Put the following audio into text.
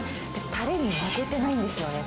たれに負けてないんですよね。